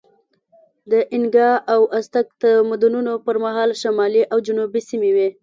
د اینکا او ازتک تمدنونو پر مهال شمالي او جنوبي سیمې وې.